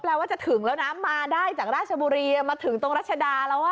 ว่าจะถึงแล้วนะมาได้จากราชบุรีมาถึงตรงรัชดาแล้ว